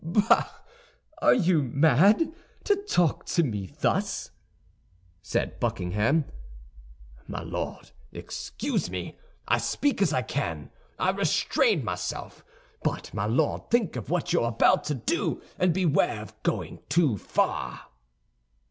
"Bah! Are you mad, to talk to me thus?" said Buckingham. "My Lord, excuse me! I speak as I can; I restrain myself. But, my Lord, think of what you're about to do, and beware of going too far!"